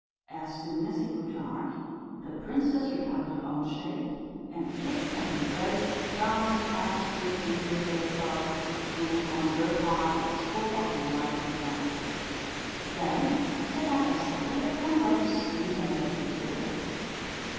As soon as it grew dark, the princess recovered her own shape, and kissed and embraced a thousand times her dear Gilliflower, who, on her part, was full of delight and thankfulness. Then they had their supper, and went to sleep in their two little beds.